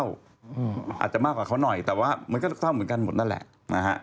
อาจจะมากกว่าเขาหน่อยแต่ว่ามันก็เศร้าเหมือนกันหมดนั่นแหละนะฮะ